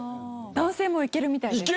男性も行けるみたいです。